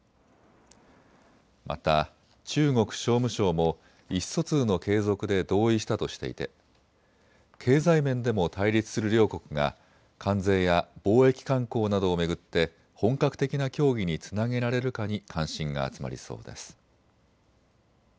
また中国商務省も意思疎通の継続で同意したとしていて経済面でも対立する両国が関税や貿易慣行などを巡って本格的な協議につなげられるかに関心が集まりそうです。